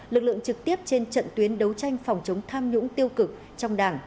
lực lượng trực tiếp trên trận tuyến đấu tranh phòng chống tham nhũng tiêu cực trong đảng